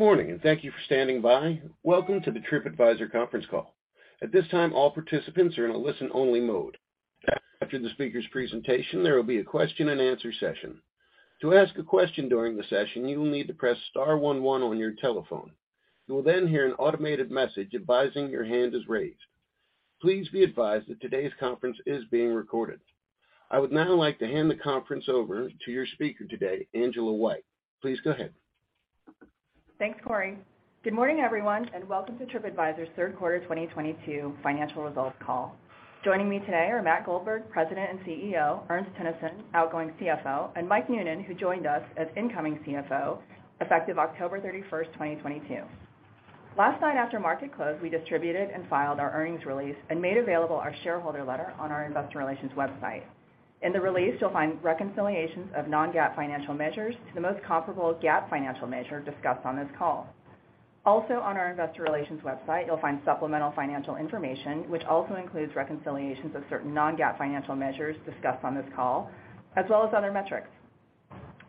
Good morning, and thank you for standing by. Welcome to the TripAdvisor conference call. At this time, all participants are in a listen-only mode. After the speaker's presentation, there will be a question and answer session. To ask a question during the session, you will need to press star one one on your telephone. You will then hear an automated message advising your hand is raised. Please be advised that today's conference is being recorded. I would now like to hand the conference over to your speaker today, Angela White. Please go ahead. Thanks, Operator. Good morning, everyone, and welcome to TripAdvisor's 3rd quarter 2022 financial results call. Joining me today are Matt Goldberg, President and CEO, Ernst Teunissen, outgoing CFO, and Mike Noonan, who joined us as incoming CFO effective October 31st, 2022. Last night after market close, we distributed and filed our earnings release and made available our shareholder letter on our investor relations website. In the release, you'll find reconciliations of non-GAAP financial measures to the most comparable GAAP financial measure discussed on this call. Also on our investor relations website, you'll find supplemental financial information, which also includes reconciliations of certain non-GAAP financial measures discussed on this call, as well as other metrics.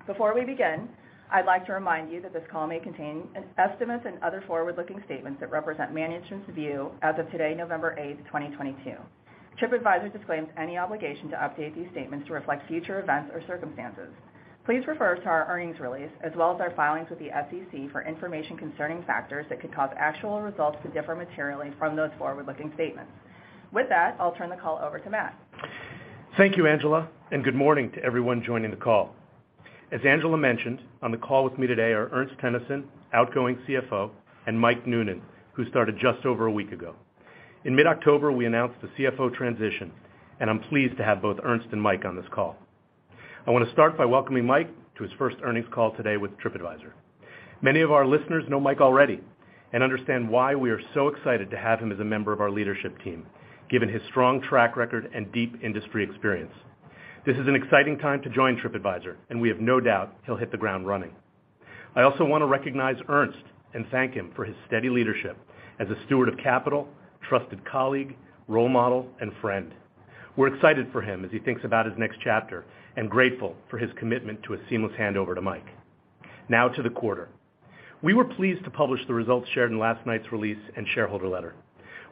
Before we begin, I'd like to remind you that this call may contain estimates and other forward-looking statements that represent management's view as of today, November 8th, 2022. TripAdvisor disclaims any obligation to update these statements to reflect future events or circumstances. Please refer to our earnings release, as well as our filings with the SEC for information concerning factors that could cause actual results to differ materially from those forward-looking statements. With that, I'll turn the call over to Matt. Thank you, Angela, and good morning to everyone joining the call. As Angela mentioned, on the call with me today are Ernst Teunissen, outgoing CFO, and Mike Noonan, who started just over a week ago. In mid-October, we announced the CFO transition, and I'm pleased to have both Ernst and Mike on this call. I want to start by welcoming Mike to his first earnings call today with TripAdvisor. Many of our listeners know Mike already and understand why we are so excited to have him as a member of our leadership team, given his strong track record and deep industry experience. This is an exciting time to join TripAdvisor, and we have no doubt he'll hit the ground running. I also want to recognize Ernst and thank him for his steady leadership as a steward of capital, trusted colleague, role model, and friend. We're excited for him as he thinks about his next chapter, and grateful for his commitment to a seamless handover to Mike. We were pleased to publish the results shared in last night's release and shareholder letter.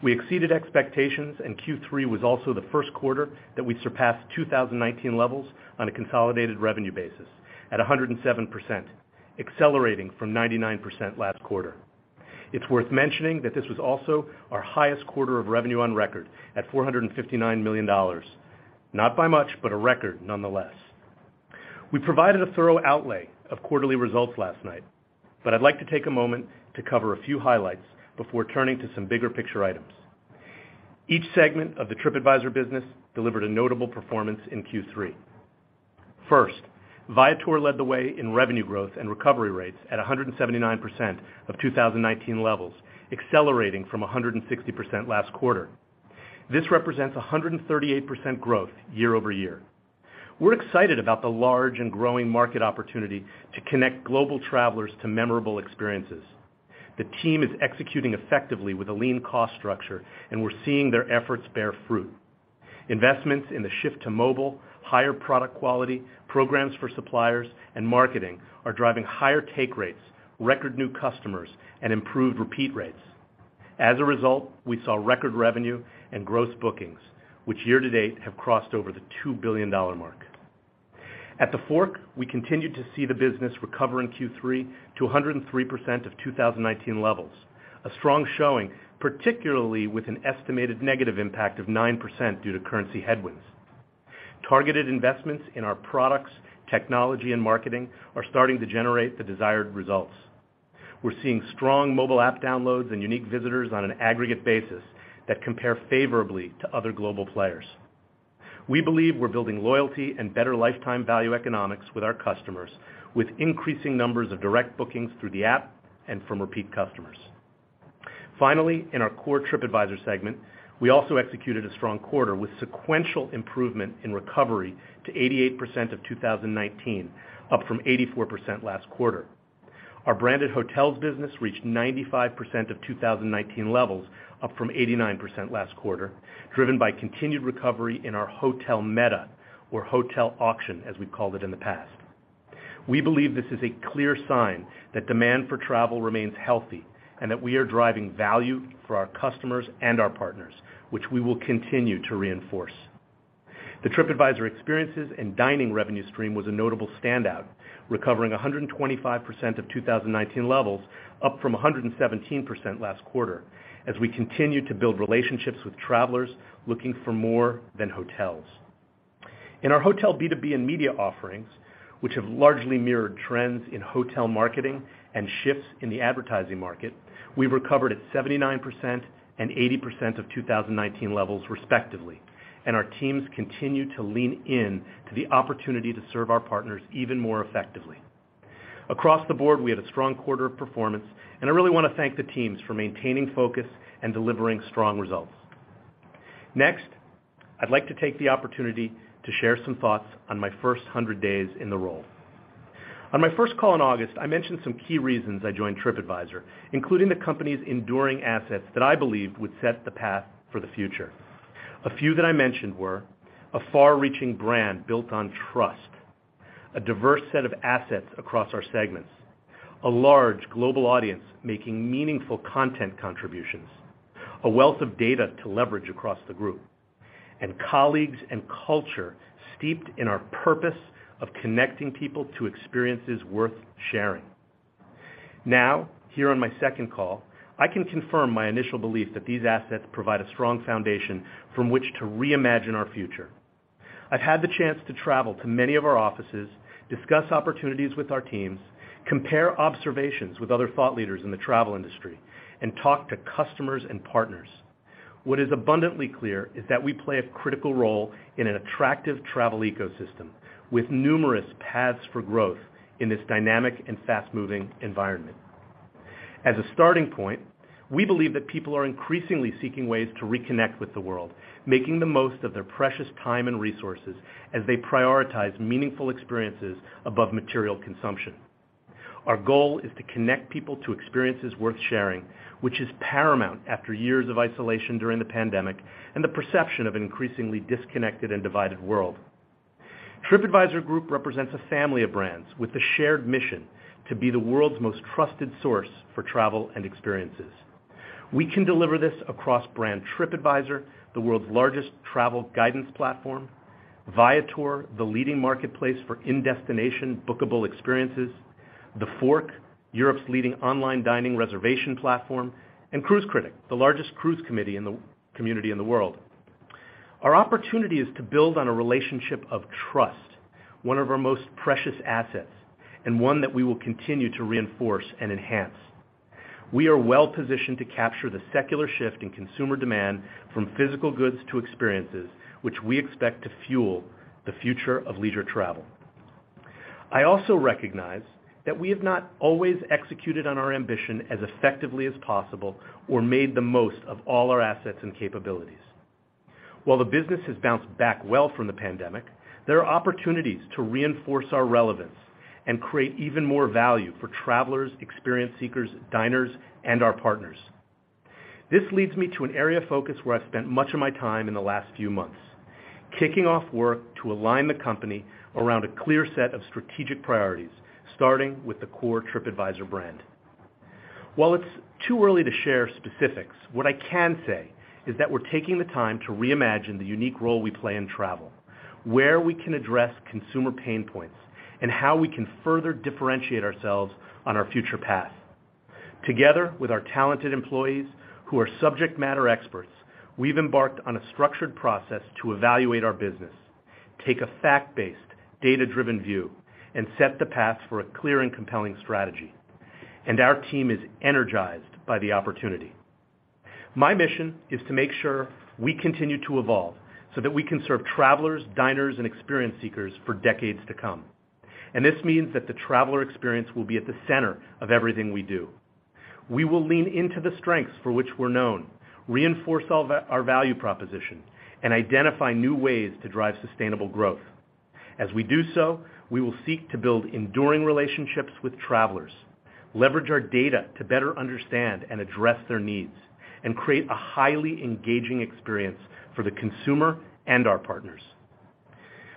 We exceeded expectations, Q3 was also the first quarter that we surpassed 2019 levels on a consolidated revenue basis at 107%, accelerating from 99% last quarter. It's worth mentioning that this was also our highest quarter of revenue on record at $459 million. Not by much, a record nonetheless. We provided a thorough outlay of quarterly results last night, I'd like to take a moment to cover a few highlights before turning to some bigger picture items. Each segment of the TripAdvisor business delivered a notable performance in Q3. First, Viator led the way in revenue growth and recovery rates at 179% of 2019 levels, accelerating from 160% last quarter. This represents 138% growth year-over-year. We're excited about the large and growing market opportunity to connect global travelers to memorable experiences. The team is executing effectively with a lean cost structure, we're seeing their efforts bear fruit. Investments in the shift to mobile, higher product quality, programs for suppliers, and marketing are driving higher take rates, record new customers, and improved repeat rates. As a result, we saw record revenue and gross bookings, which year to date have crossed over the $2 billion mark. At TheFork, we continued to see the business recover in Q3 to 103% of 2019 levels, a strong showing, particularly with an estimated negative impact of 9% due to currency headwinds. Targeted investments in our products, technology, and marketing are starting to generate the desired results. We're seeing strong mobile app downloads and unique visitors on an aggregate basis that compare favorably to other global players. We believe we're building loyalty and better lifetime value economics with our customers, with increasing numbers of direct bookings through the app and from repeat customers. Finally, in our core TripAdvisor segment, we also executed a strong quarter with sequential improvement in recovery to 88% of 2019, up from 84% last quarter. Our branded hotels business reached 95% of 2019 levels, up from 89% last quarter, driven by continued recovery in our hotel meta or hotel auction, as we've called it in the past. We believe this is a clear sign that demand for travel remains healthy and that we are driving value for our customers and our partners, which we will continue to reinforce. The TripAdvisor experiences and dining revenue stream was a notable standout, recovering 125% of 2019 levels, up from 117% last quarter, as we continue to build relationships with travelers looking for more than hotels. In our hotel B2B and media offerings, which have largely mirrored trends in hotel marketing and shifts in the advertising market, we recovered at 79% and 80% of 2019 levels respectively, our teams continue to lean in to the opportunity to serve our partners even more effectively. Across the board, we had a strong quarter of performance, I really want to thank the teams for maintaining focus and delivering strong results. I'd like to take the opportunity to share some thoughts on my first 100 days in the role. On my first call in August, I mentioned some key reasons I joined TripAdvisor, including the company's enduring assets that I believed would set the path for the future. A few that I mentioned were a far-reaching brand built on trust, a diverse set of assets across our segments, a large global audience making meaningful content contributions, a wealth of data to leverage across the group, and colleagues and culture steeped in our purpose of connecting people to experiences worth sharing. Now, here on my second call, I can confirm my initial belief that these assets provide a strong foundation from which to reimagine our future. I've had the chance to travel to many of our offices, discuss opportunities with our teams, compare observations with other thought leaders in the travel industry, and talk to customers and partners. What is abundantly clear is that we play a critical role in an attractive travel ecosystem, with numerous paths for growth in this dynamic and fast-moving environment. As a starting point, we believe that people are increasingly seeking ways to reconnect with the world, making the most of their precious time and resources as they prioritize meaningful experiences above material consumption. Our goal is to connect people to experiences worth sharing, which is paramount after years of isolation during the pandemic and the perception of an increasingly disconnected and divided world. TripAdvisor Group represents a family of brands with a shared mission to be the world's most trusted source for travel and experiences. We can deliver this across brand TripAdvisor, the world's largest travel guidance platform, Viator, the leading marketplace for in-destination bookable experiences, TheFork, Europe's leading online dining reservation platform, and Cruise Critic, the largest cruise community in the world. Our opportunity is to build on a relationship of trust, one of our most precious assets, and one that we will continue to reinforce and enhance. We are well-positioned to capture the secular shift in consumer demand from physical goods to experiences, which we expect to fuel the future of leisure travel. I also recognize that we have not always executed on our ambition as effectively as possible or made the most of all our assets and capabilities. While the business has bounced back well from the pandemic, there are opportunities to reinforce our relevance and create even more value for travelers, experience seekers, diners, and our partners. This leads me to an area of focus where I've spent much of my time in the last few months, kicking off work to align the company around a clear set of strategic priorities, starting with the core TripAdvisor brand. While it's too early to share specifics, what I can say is that we're taking the time to reimagine the unique role we play in travel, where we can address consumer pain points, and how we can further differentiate ourselves on our future path. Together with our talented employees, who are subject matter experts, we've embarked on a structured process to evaluate our business, take a fact-based, data-driven view, and set the path for a clear and compelling strategy. Our team is energized by the opportunity. My mission is to make sure we continue to evolve so that we can serve travelers, diners, and experience seekers for decades to come. This means that the traveler experience will be at the center of everything we do. We will lean into the strengths for which we're known, reinforce our value proposition, and identify new ways to drive sustainable growth. As we do so, we will seek to build enduring relationships with travelers, leverage our data to better understand and address their needs, and create a highly engaging experience for the consumer and our partners.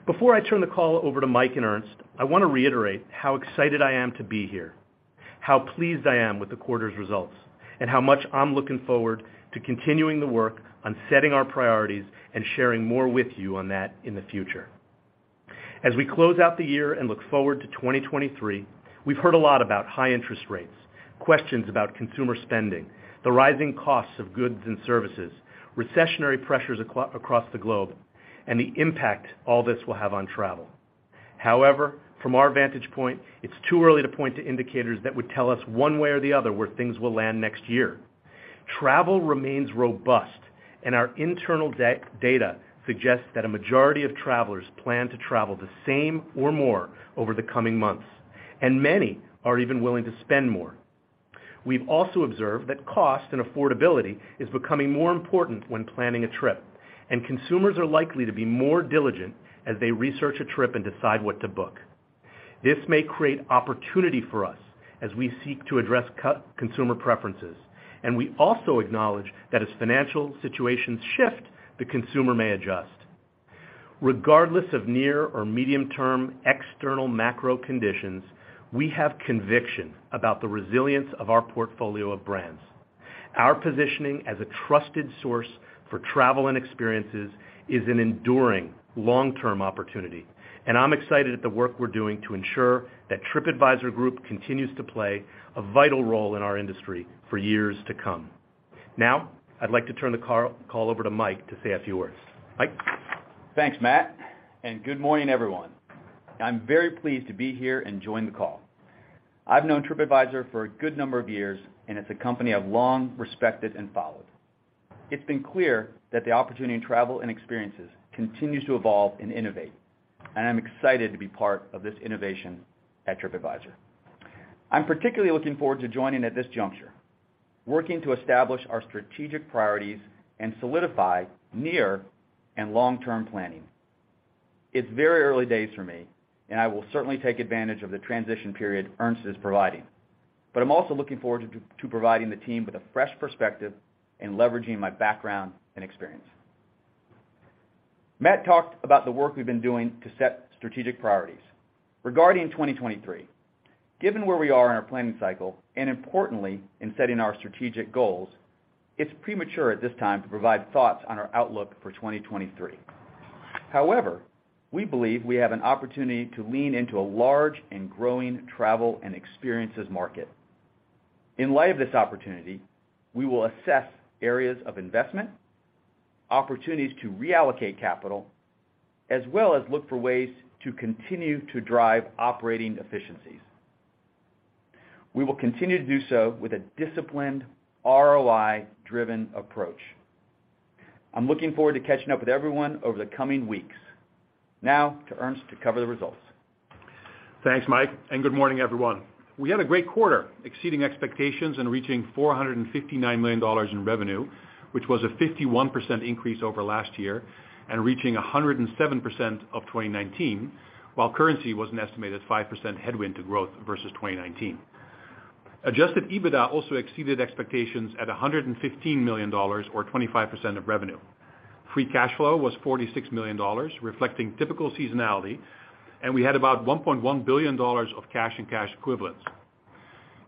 Before I turn the call over to Mike and Ernst, I want to reiterate how excited I am to be here, how pleased I am with the quarter's results, and how much I'm looking forward to continuing the work on setting our priorities and sharing more with you on that in the future. As we close out the year and look forward to 2023, we've heard a lot about high interest rates, questions about consumer spending, the rising costs of goods and services, recessionary pressures across the globe, and the impact all this will have on travel. However, from our vantage point, it's too early to point to indicators that would tell us one way or the other where things will land next year. Travel remains robust, and our internal data suggests that a majority of travelers plan to travel the same or more over the coming months, and many are even willing to spend more. We've also observed that cost and affordability is becoming more important when planning a trip, and consumers are likely to be more diligent as they research a trip and decide what to book. This may create opportunity for us as we seek to address consumer preferences. We also acknowledge that as financial situations shift, the consumer may adjust. Regardless of near or medium-term external macro conditions, we have conviction about the resilience of our portfolio of brands. Our positioning as a trusted source for travel and experiences is an enduring long-term opportunity, and I'm excited at the work we're doing to ensure that TripAdvisor Group continues to play a vital role in our industry for years to come. I'd like to turn the call over to Mike to say a few words. Mike? Thanks, Matt. Good morning, everyone. I'm very pleased to be here and join the call. I've known TripAdvisor for a good number of years, and it's a company I've long respected and followed. It's been clear that the opportunity in travel and experiences continues to evolve and innovate, and I'm excited to be part of this innovation at TripAdvisor. I'm particularly looking forward to joining at this juncture, working to establish our strategic priorities, and solidify near and long-term planning. It's very early days for me, and I will certainly take advantage of the transition period Ernst is providing. I'm also looking forward to providing the team with a fresh perspective and leveraging my background and experience. Matt talked about the work we've been doing to set strategic priorities. Regarding 2023, given where we are in our planning cycle, and importantly, in setting our strategic goals, it is premature at this time to provide thoughts on our outlook for 2023. However, we believe we have an opportunity to lean into a large and growing travel and experiences market. In light of this opportunity, we will assess areas of investment, opportunities to reallocate capital, as well as look for ways to continue to drive operating efficiencies. We will continue to do so with a disciplined ROI-driven approach. I am looking forward to catching up with everyone over the coming weeks. Now to Ernst to cover the results. Thanks, Mike, and good morning, everyone. We had a great quarter, exceeding expectations and reaching $459 million in revenue, which was a 51% increase over last year and reaching 107% of 2019, while currency was an estimated 5% headwind to growth versus 2019. Adjusted EBITDA also exceeded expectations at $115 million or 25% of revenue. Free cash flow was $46 million, reflecting typical seasonality, and we had about $1.1 billion of cash and cash equivalents.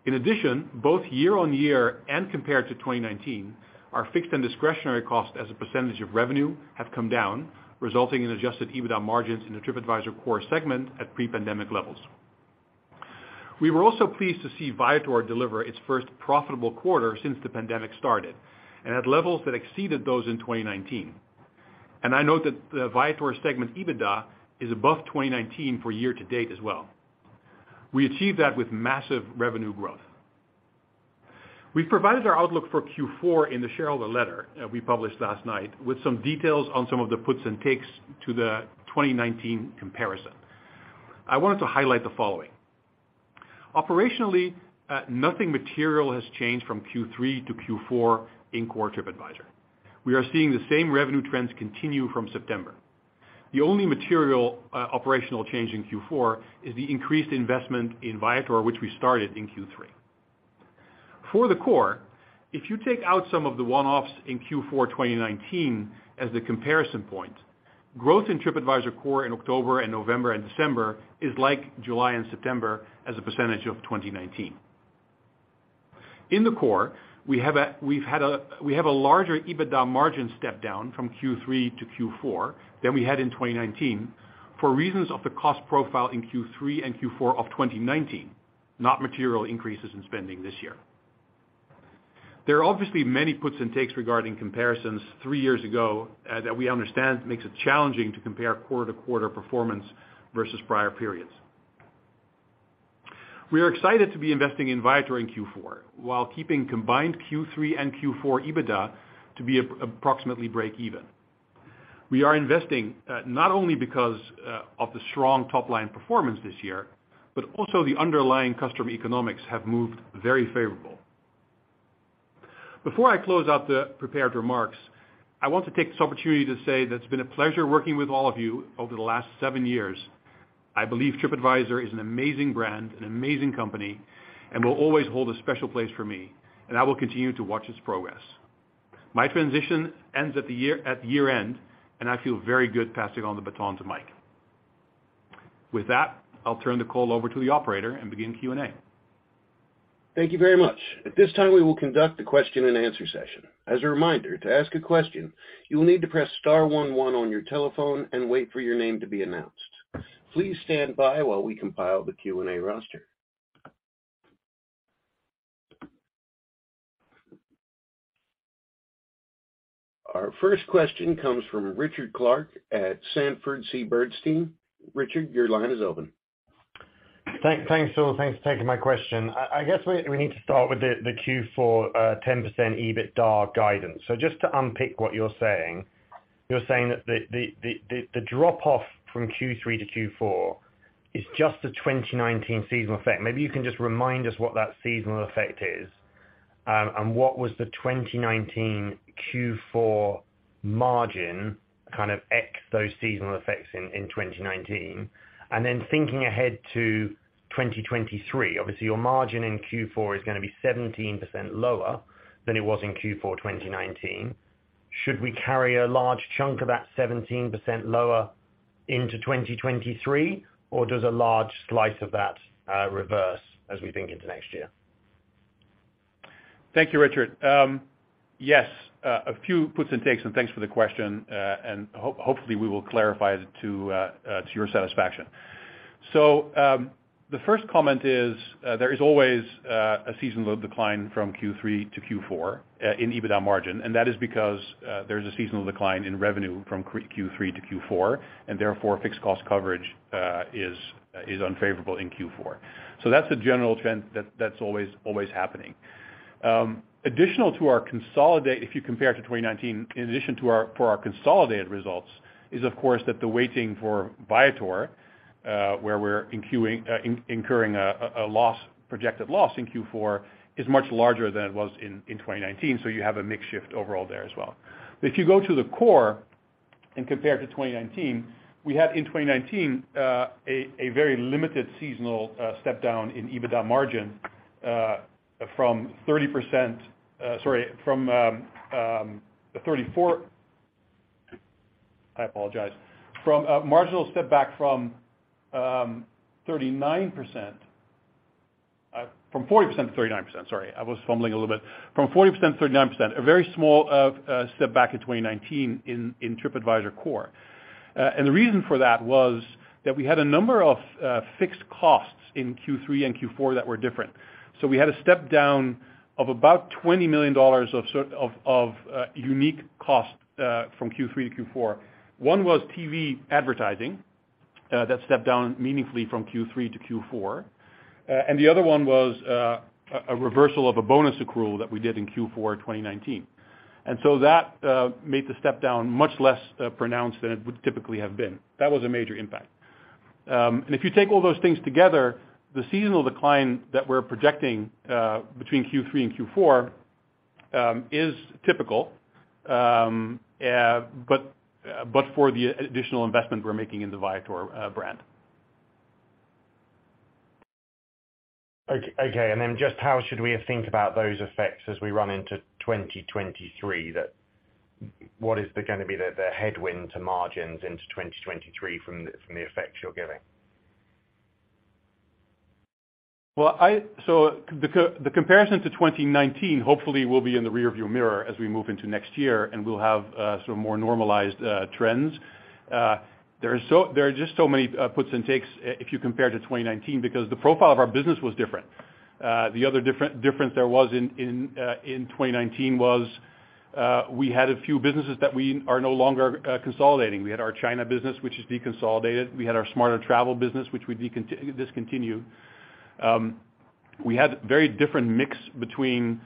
In addition, both year-over-year and compared to 2019, our fixed and discretionary costs as a percentage of revenue have come down, resulting in adjusted EBITDA margins in the TripAdvisor core segment at pre-pandemic levels. We were also pleased to see Viator deliver its first profitable quarter since the pandemic started, and at levels that exceeded those in 2019. I note that the Viator segment EBITDA is above 2019 for year-to-date as well. We achieved that with massive revenue growth. We have provided our outlook for Q4 in the shareholder letter that we published last night with some details on some of the puts and takes to the 2019 comparison. I wanted to highlight the following. Operationally, nothing material has changed from Q3 to Q4 in core TripAdvisor. We are seeing the same revenue trends continue from September. The only material operational change in Q4 is the increased investment in Viator, which we started in Q3. For the core, if you take out some of the one-offs in Q4 2019 as the comparison point, growth in TripAdvisor core in October and November and December is like July and September as a percentage of 2019. In the core, we have a larger EBITDA margin step down from Q3 to Q4 than we had in 2019 for reasons of the cost profile in Q3 and Q4 of 2019, not material increases in spending this year. There are obviously many puts and takes regarding comparisons three years ago that we understand makes it challenging to compare quarter-to-quarter performance versus prior periods. We are excited to be investing in Viator in Q4 while keeping combined Q3 and Q4 EBITDA to be approximately break even. We are investing not only because of the strong top-line performance this year, but also the underlying customer economics have moved very favorable. Before I close out the prepared remarks, I want to take this opportunity to say that it has been a pleasure working with all of you over the last seven years. I believe TripAdvisor is an amazing brand, an amazing company, and will always hold a special place for me, and I will continue to watch its progress. My transition ends at year-end, and I feel very good passing on the baton to Mike. With that, I'll turn the call over to the operator and begin Q&A. Thank you very much. At this time, we will conduct the question and answer session. As a reminder, to ask a question, you will need to press star one one on your telephone and wait for your name to be announced. Please stand by while we compile the Q&A roster. Our first question comes from Richard Clarke at Sanford C. Bernstein. Richard, your line is open. Thanks. Thanks for taking my question. I guess we need to start with the Q4 10% EBITDA guidance. Just to unpick what you're saying, you're saying that the drop-off from Q3 to Q4 is just a 2019 seasonal effect. Maybe you can just remind us what that seasonal effect is, and what was the 2019 Q4 margin, kind of X those seasonal effects in 2019. Thinking ahead to 2023, obviously, your margin in Q4 is going to be 17% lower than it was in Q4 2019. Should we carry a large chunk of that 17% lower into 2023, or does a large slice of that reverse as we think into next year? Thank you, Richard. Yes, a few puts and takes, and thanks for the question. Hopefully, we will clarify it to your satisfaction. The first comment is, there is always a seasonal decline from Q3 to Q4 in EBITDA margin, and that is because there's a seasonal decline in revenue from Q3 to Q4, and therefore, fixed cost coverage is unfavorable in Q4. That's the general trend that's always happening. If you compare to 2019, in addition for our consolidated results is, of course, that the weighting for Viator, where we're incurring a projected loss in Q4, is much larger than it was in 2019, so you have a mix shift overall there as well. If you go to the core compared to 2019, we had in 2019, a very limited seasonal step-down in EBITDA margin, from the 34. I apologize. From 40% to 39%, sorry. I was fumbling a little bit. From 40% to 39%, a very small step back in 2019 in TripAdvisor core. The reason for that was that we had a number of fixed costs in Q3 and Q4 that were different. We had a step down of about $20 million of unique cost from Q3 to Q4. One was TV advertising, that stepped down meaningfully from Q3 to Q4. The other one was a reversal of a bonus accrual that we did in Q4 2019. That made the step down much less pronounced than it would typically have been. That was a major impact. If you take all those things together, the seasonal decline that we're projecting between Q3 and Q4 is typical, but for the additional investment we're making in the Viator brand. Okay. Just how should we think about those effects as we run into 2023? What is going to be the headwind to margins into 2023 from the effects you're giving? The comparison to 2019 hopefully will be in the rear view mirror as we move into next year, and we'll have sort of more normalized trends. There are just so many puts and takes if you compare to 2019, because the profile of our business was different. The other difference there was in 2019 was, we had a few businesses that we are no longer consolidating. We had our China business, which is deconsolidated. We had our SmarterTravel business, which we discontinued. We had very different mix between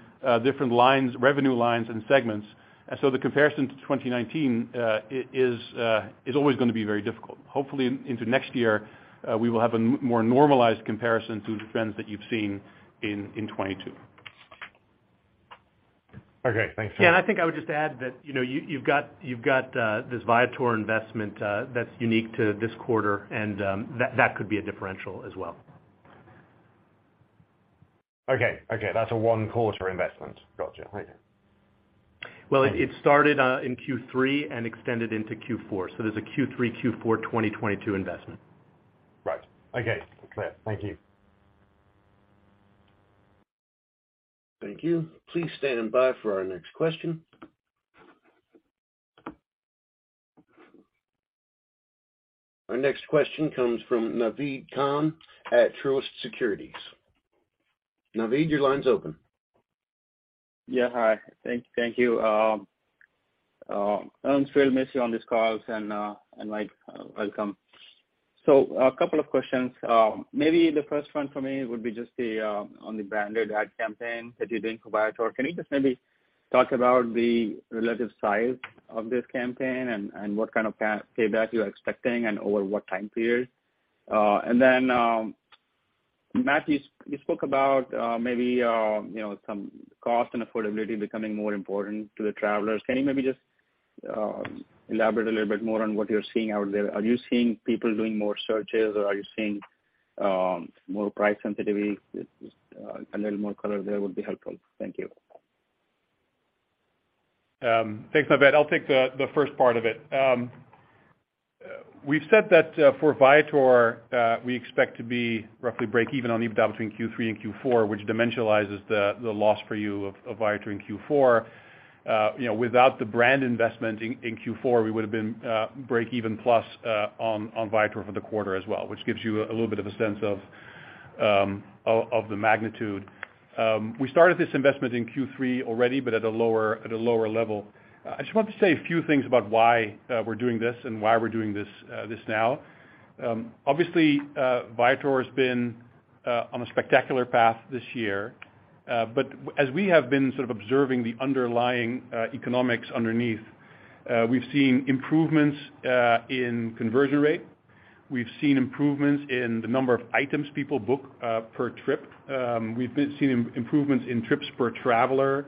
different revenue lines and segments. The comparison to 2019 is always going to be very difficult. Hopefully into next year, we will have a more normalized comparison to the trends that you've seen in 2022. Okay. Thanks. Yeah, I think I would just add that you've got this Viator investment that's unique to this quarter and that could be a differential as well. Okay. That's a one quarter investment. Got you. Thank you. Well, it started in Q3 and extended into Q4. There's a Q3, Q4 2022 investment. Right. Okay. Clear. Thank you. Thank you. Please stand by for our next question. Our next question comes from Naved Khan at Truist Securities. Naved, your line's open. Yeah, hi. Thank you. Ernst, we'll miss you on these calls, and Mike, welcome. A couple of questions. Maybe the first one for me would be just on the branded ad campaign that you're doing for Viator. Can you just maybe talk about the relative size of this campaign and what kind of payback you're expecting and over what time period? Matt, you spoke about maybe some cost and affordability becoming more important to the travelers. Can you maybe just elaborate a little bit more on what you're seeing out there? Are you seeing people doing more searches or are you seeing more price sensitivity? Just a little more color there would be helpful. Thank you. Thanks, Naved. I'll take the first part of it. We've said that for Viator, we expect to be roughly break even on EBITDA between Q3 and Q4, which dimensionalizes the loss for you of Viator in Q4. Without the brand investment in Q4, we would've been break even plus on Viator for the quarter as well, which gives you a little bit of a sense of the magnitude. We started this investment in Q3 already, but at a lower level. I just wanted to say a few things about why we're doing this and why we're doing this now. Obviously, Viator's been on a spectacular path this year. As we have been sort of observing the underlying economics underneath, we've seen improvements in conversion rate. We've seen improvements in the number of items people book per trip. We've seen improvements in trips per traveler,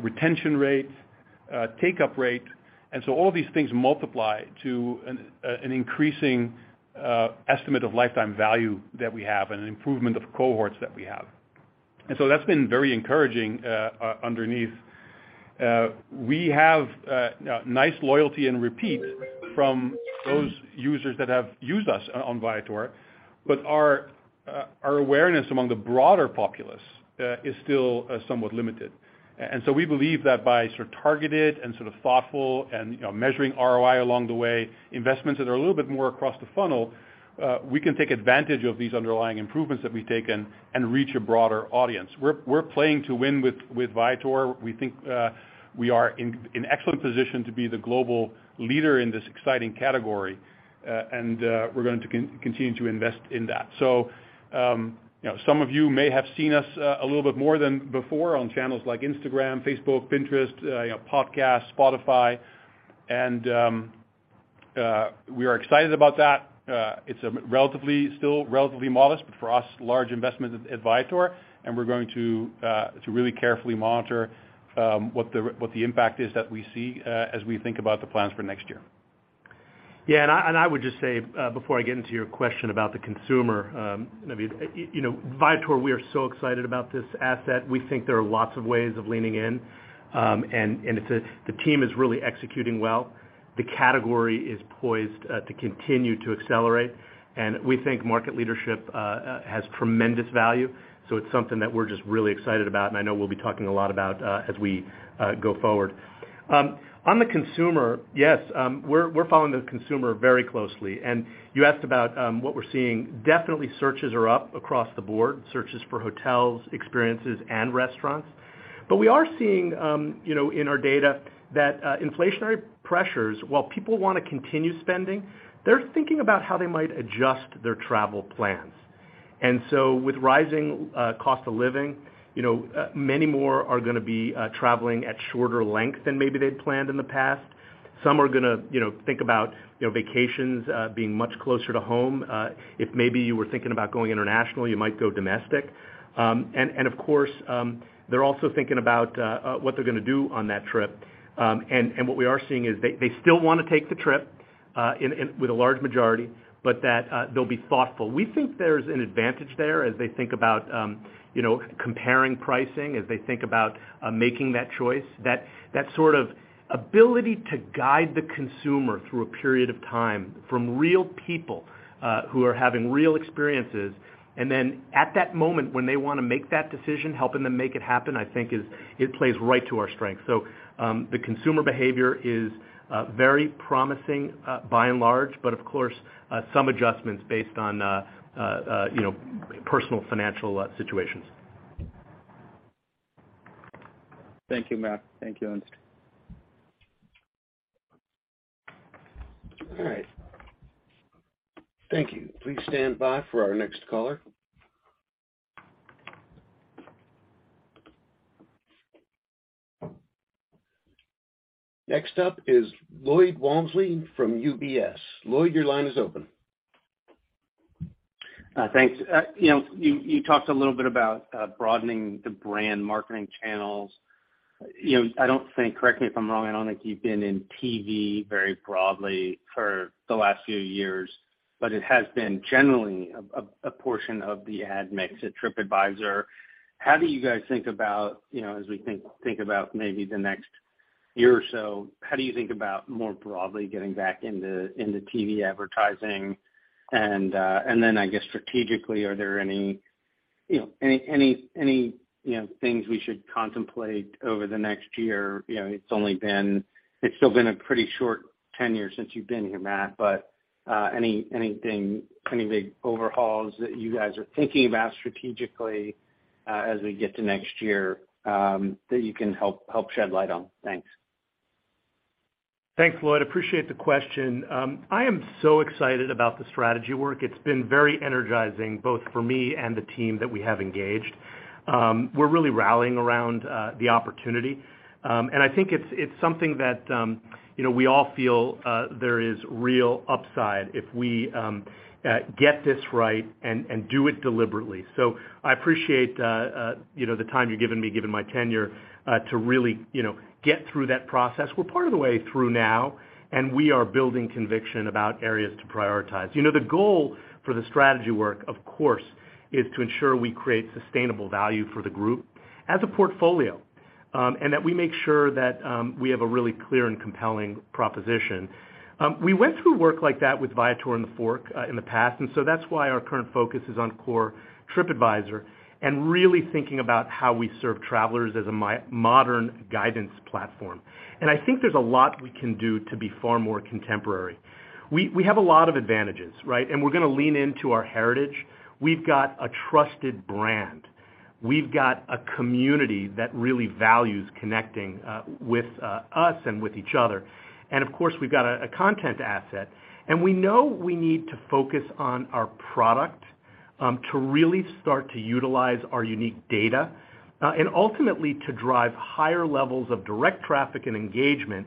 retention rate, takeup rate. All these things multiply to an increasing estimate of lifetime value that we have and an improvement of cohorts that we have. That's been very encouraging underneath. We have nice loyalty and repeat from those users that have used us on Viator, our awareness among the broader populace is still somewhat limited. We believe that by sort of targeted and sort of thoughtful and measuring ROI along the way, investments that are a little bit more across the funnel, we can take advantage of these underlying improvements that we've taken and reach a broader audience. We're playing to win with Viator. We think we are in excellent position to be the global leader in this exciting category. We're going to continue to invest in that. Some of you may have seen us a little bit more than before on channels like Instagram, Facebook, Pinterest, podcasts, Spotify. We are excited about that. It's still relatively modest, but for us, large investment at Viator, and we are going to really carefully monitor what the impact is that we see as we think about the plans for next year. I would just say, before I get into your question about the consumer, Viator, we are so excited about this asset. We think there are lots of ways of leaning in, and the team is really executing well. The category is poised to continue to accelerate, and we think market leadership has tremendous value. It's something that we're just really excited about, and I know we'll be talking a lot about as we go forward. On the consumer, yes, we're following the consumer very closely, and you asked about what we're seeing. Definitely searches are up across the board, searches for hotels, experiences, and restaurants. We are seeing in our data that inflationary pressures, while people want to continue spending, they're thinking about how they might adjust their travel plans. With rising cost of living, many more are going to be traveling at shorter length than maybe they'd planned in the past. Some are going to think about vacations being much closer to home. If maybe you were thinking about going international, you might go domestic. Of course, they're also thinking about what they're going to do on that trip. What we are seeing is they still want to take the trip, with a large majority, but that they'll be thoughtful. We think there's an advantage there as they think about comparing pricing, as they think about making that choice. That sort of ability to guide the consumer through a period of time from real people who are having real experiences, and then at that moment when they want to make that decision, helping them make it happen, I think it plays right to our strength. The consumer behavior is very promising by and large, but of course, some adjustments based on personal financial situations. Thank you, Matt. Thank you, Ernst. All right. Thank you. Please stand by for our next caller. Next up is Lloyd Walmsley from UBS. Lloyd, your line is open. Thanks. You talked a little bit about broadening the brand marketing channels. I don't think, correct me if I'm wrong, I don't think you've been in TV very broadly for the last few years, but it has been generally a portion of the ad mix at TripAdvisor. How do you guys think about, as we think about maybe the next year or so, how do you think about more broadly getting back into TV advertising? Then, I guess strategically, are there any things we should contemplate over the next year? It's still been a pretty short tenure since you've been here, Matt, but anything, any big overhauls that you guys are thinking about strategically as we get to next year that you can help shed light on? Thanks. Thanks, Lloyd. Appreciate the question. I am so excited about the strategy work. It's been very energizing, both for me and the team that we have engaged. We're really rallying around the opportunity. I think it's something that we all feel there is real upside if we get this right and do it deliberately. I appreciate the time you're giving me, given my tenure, to really get through that process. We're part of the way through now, and we are building conviction about areas to prioritize. The goal for the strategy work, of course, is to ensure we create sustainable value for the group as a portfolio, and that we make sure that we have a really clear and compelling proposition. We went through work like that with Viator and TheFork in the past, that's why our current focus is on core TripAdvisor, really thinking about how we serve travelers as a modern guidance platform. I think there's a lot we can do to be far more contemporary. We have a lot of advantages, right? We're going to lean into our heritage. We've got a trusted brand. We've got a community that really values connecting with us and with each other. Of course, we've got a content asset. We know we need to focus on our product to really start to utilize our unique data, ultimately to drive higher levels of direct traffic and engagement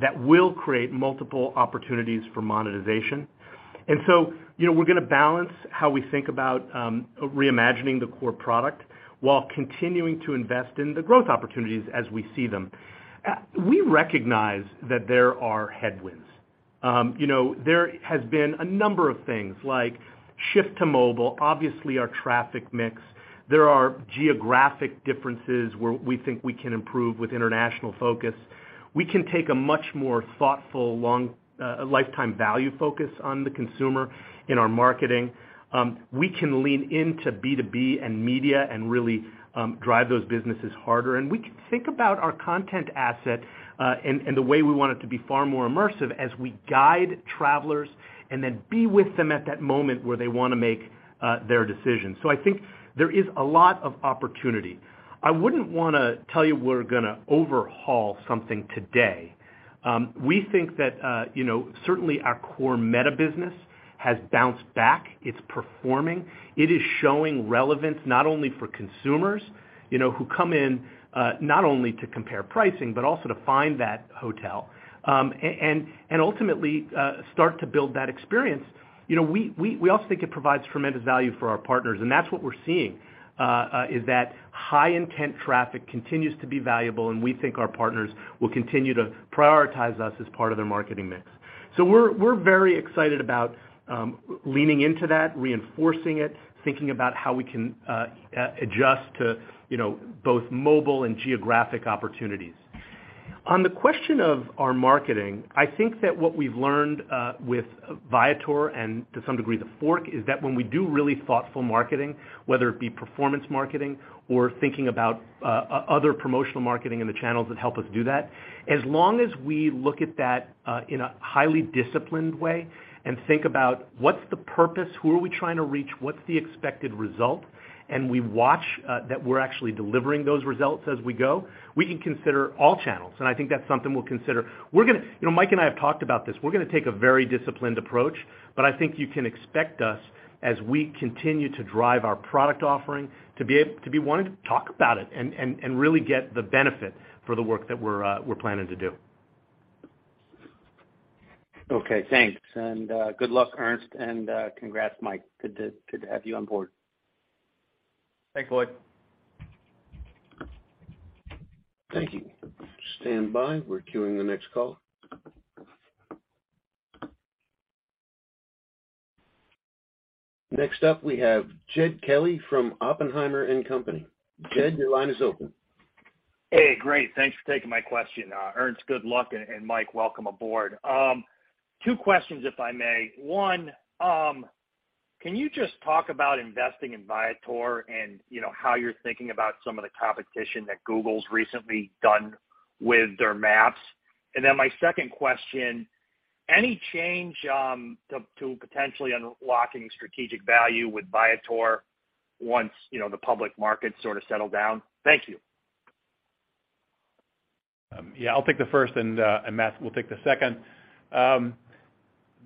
that will create multiple opportunities for monetization. We're going to balance how we think about reimagining the core product while continuing to invest in the growth opportunities as we see them. We recognize that there are headwinds. There has been a number of things like shift to mobile, obviously our traffic mix. There are geographic differences where we think we can improve with international focus. We can take a much more thoughtful lifetime value focus on the consumer in our marketing. We can lean into B2B and media and really drive those businesses harder. We can think about our content asset and the way we want it to be far more immersive as we guide travelers, then be with them at that moment where they want to make their decision. I think there is a lot of opportunity. I wouldn't want to tell you we're going to overhaul something today. We think that certainly our core meta business has bounced back. It's performing. It is showing relevance not only for consumers, who come in not only to compare pricing but also to find that hotel, ultimately start to build that experience. We also think it provides tremendous value for our partners, that's what we're seeing, is that high intent traffic continues to be valuable, we think our partners will continue to prioritize us as part of their marketing mix. We're very excited about leaning into that, reinforcing it, thinking about how we can adjust to both mobile and geographic opportunities. On the question of our marketing, I think that what we've learned with Viator, to some degree TheFork, is that when we do really thoughtful marketing, whether it be performance marketing or thinking about other promotional marketing the channels that help us do that, as long as we look at that in a highly disciplined way think about what's the purpose, who are we trying to reach, what's the expected result, we watch that we're actually delivering those results as we go, we can consider all channels, I think that's something we'll consider. Mike and I have talked about this. We're going to take a very disciplined approach, I think you can expect us, as we continue to drive our product offering, to be willing to talk about it and really get the benefit for the work that we're planning to do. Okay, thanks, and good luck, Ernst, and congrats, Mike. Good to have you on board. Thanks, Lloyd. Thank you. Stand by, we're queuing the next call. Next up, we have Jed Kelly from Oppenheimer & Co.. Jed, your line is open. Hey, great. Thanks for taking my question. Ernst, good luck, and Mike, welcome aboard. Two questions, if I may. One, can you just talk about investing in Viator and how you're thinking about some of the competition that Google's recently done with their maps? My second question, any change to potentially unlocking strategic value with Viator once the public markets sort of settle down? Thank you. Yeah, I'll take the first and Matt will take the second.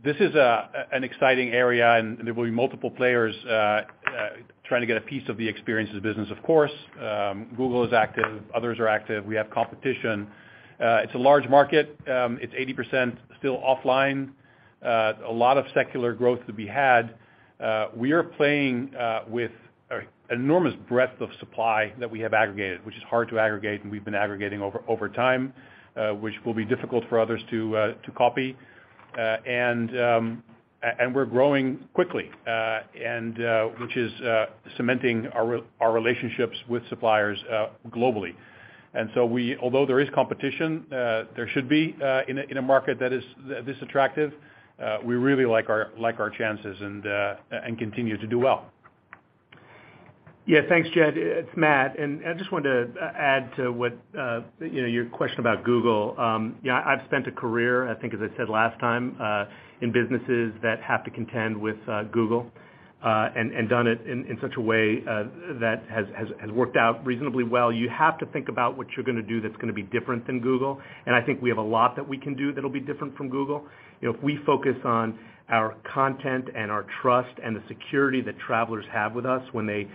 This is an exciting area, and there will be multiple players trying to get a piece of the experiences business, of course. Google is active. Others are active. We have competition. It's a large market. It's 80% still offline. A lot of secular growth to be had. We are playing with an enormous breadth of supply that we have aggregated, which is hard to aggregate, and we've been aggregating over time, which will be difficult for others to copy. We're growing quickly, which is cementing our relationships with suppliers globally. Although there is competition, there should be in a market that is this attractive, we really like our chances and continue to do well. Yeah, thanks, Jed. It's Matt, and I just wanted to add to your question about Google. I've spent a career, I think, as I said last time, in businesses that have to contend with Google, and done it in such a way that has worked out reasonably well. You have to think about what you're going to do that's going to be different than Google, and I think we have a lot that we can do that'll be different from Google. If we focus on our content and our trust and the security that travelers have with us when they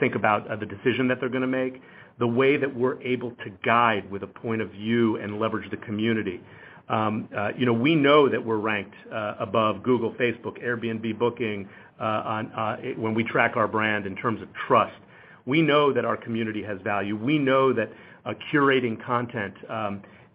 think about the decision that they're going to make, the way that we're able to guide with a point of view and leverage the community. We know that we're ranked above Google, Facebook, Airbnb booking when we track our brand in terms of trust. We know that our community has value. We know that curating content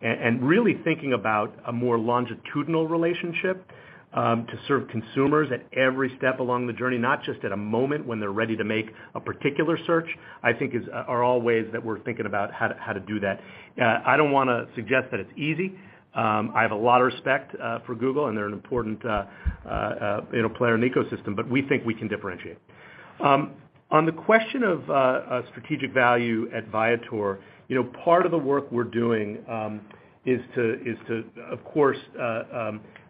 and really thinking about a more longitudinal relationship to serve consumers at every step along the journey, not just at a moment when they're ready to make a particular search, I think, are all ways that we're thinking about how to do that. I don't want to suggest that it's easy. I have a lot of respect for Google, and they're an important player in the ecosystem, but we think we can differentiate. On the question of strategic value at Viator, part of the work we're doing is to, of course,